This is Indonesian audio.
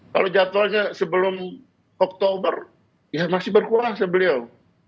kalau jadwalnya sebelum oktober ya masih berkuasa beliau